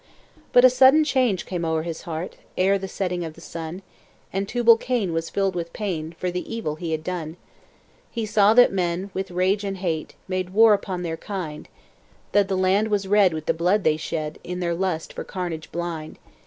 But a sudden change came o'er his heart, Ere the setting of the sun; And Tubal Cain was filled with pain For the evil he had done: He saw that men, with rage and hate, Made war upon their kind, That the land was red with the blood they shed, In their lust for carnage blind.